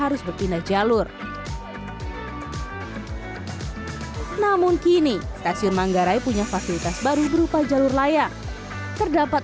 harus berpindah jalur namun kini stasiun manggarai punya fasilitas baru berupa jalur layak terdapat